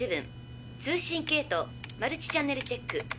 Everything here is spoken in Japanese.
通信系統マルチチャンネルチェック。